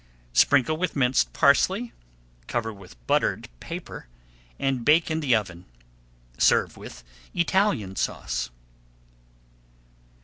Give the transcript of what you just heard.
Sprinkle with minced parsley, cover with buttered paper, and bake in the oven. Serve with Italian Sauce.